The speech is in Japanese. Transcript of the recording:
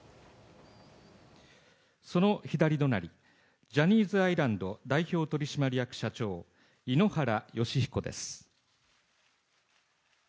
その左隣、ジャニーズアイランド代表取締役社長、井ノ原快彦です。